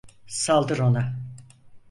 Saldır ona!